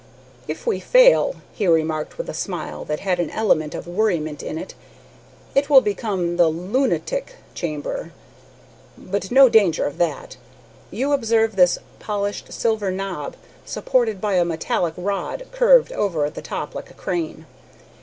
"If we fail," he remarked with a smile that had an element of worriment in it, "it will become the 'lunatic chamber' but no danger of that. You observe this polished silver knob, supported by a metallic rod curved over at the top like a crane.